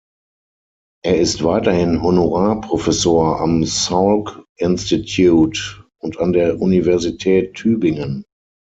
Er ist weiterhin Honorarprofessor am Salk Institute und an der Universität Tübingen.